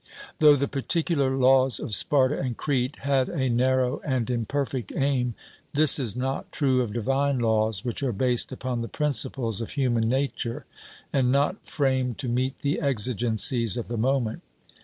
Though the particular laws of Sparta and Crete had a narrow and imperfect aim, this is not true of divine laws, which are based upon the principles of human nature, and not framed to meet the exigencies of the moment.